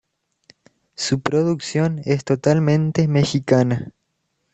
Su producción es totalmente mexicana.